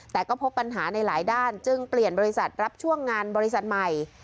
แต่ก็พบปัญหาในหลายด้านจึงเปลี่ยนบริษัทรับช่วงงานบริษัทใหม่